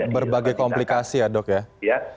berbagai komplikasi ya dok ya